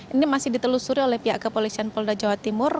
ini masih ditelusuri oleh pihak kepolisian polda jawa timur